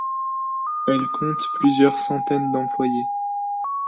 Elle compte plusieurs centaines d'employés.